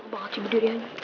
banget sih berdiri aja